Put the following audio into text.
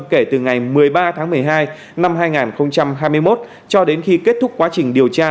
kể từ ngày một mươi ba tháng một mươi hai năm hai nghìn hai mươi một cho đến khi kết thúc quá trình điều tra